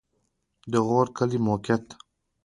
د غور کلی موقعیت